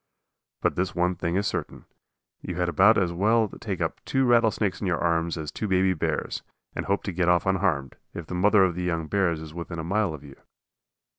But this one thing is certain, you had about as well take up two rattlesnakes in your arms as two baby bears, and hope to get off unharmed, if the mother of the young bears is within a mile of you.